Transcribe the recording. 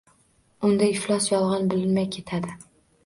Unda iflos yolg’on bilinmay ketadi…